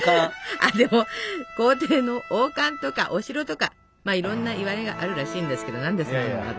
あでも皇帝の王冠とかお城とかいろんないわれがあるらしいんですけど何でそんなのがあるの？